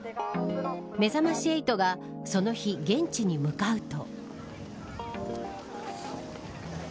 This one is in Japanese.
めざまし８がその日現地に向かうと。